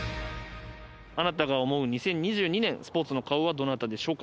あなたが思う２０２２年スポーツの顔はどなたでしょうか？